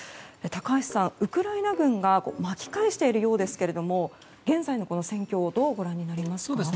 高橋さん、ウクライナ軍が巻き返しているようですが現在のこの戦況どうご覧になりますか。